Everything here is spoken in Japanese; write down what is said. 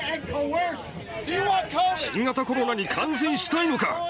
新型コロナに感染したいのか。